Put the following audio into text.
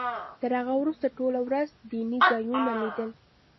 تر هغه وروسته ټوله ورځ دیني ځایونه لیدل.